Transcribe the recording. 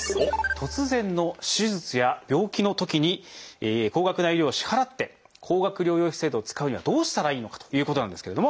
突然の手術や病気のときに高額な医療費を支払って高額療養費制度を使うにはどうしたらいいのかということなんですけれども。